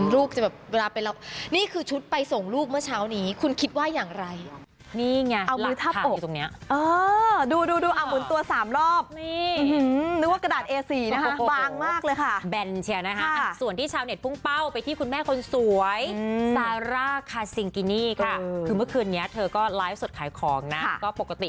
ลูกจะแบบต้องเอาไปเล่าคือชุดไปส่งลูกมาเช้านี้คุณคิดว่าอย่างไรเนี้ยค่ะค่ะคือเมื่อคืนนี้เธอก็ไลฟ์สดขายของนะก็ปกติ